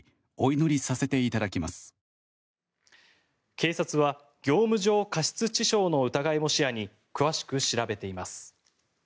警察は業務上過失致傷の疑いも視野に詳しく調べています。